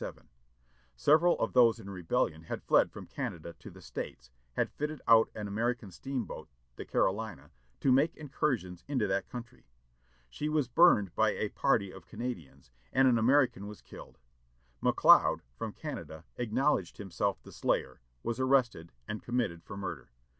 Several of those in rebellion had fled from Canada to the States, had fitted out an American steamboat, the Carolina, to make incursions into that country. She was burned by a party of Canadians, and an American was killed. McLeod, from Canada, acknowledged himself the slayer, was arrested, and committed for murder.